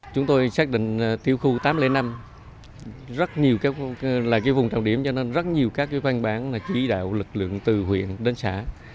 chúng tôi xác định tiểu khu tám trăm linh năm là phùng trọng điểm cho nên rất nhiều các phân bản là chỉ đạo lực lượng từ huyện đến xã